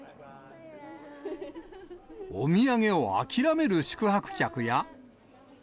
お土産を諦める宿泊客や。